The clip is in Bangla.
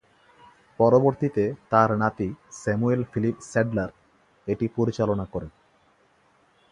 পরবর্তীতে তার নাতি স্যামুয়েল ফিলিপ স্যাডলার এটি পরিচালনা করেন।